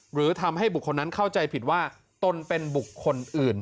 หรือทำให้บุคคลนั้นเข้าใจผิดว่าตนเป็นบุคคลอื่น